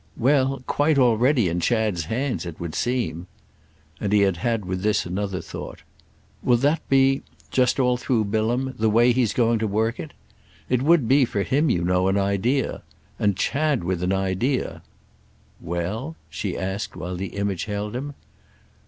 "Well, quite already in Chad's hands, it would seem." And he had had with this another thought. "Will that be—just all through Bilham—the way he's going to work it? It would be, for him, you know, an idea. And Chad with an idea—!" "Well?" she asked while the image held him.